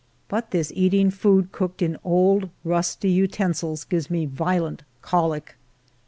But this eating food cooked in old rusty uten sil's gives me violent colic.